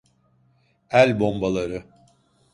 El bombaları.